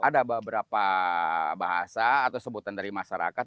ada beberapa bahasa atau sebutan dari masyarakat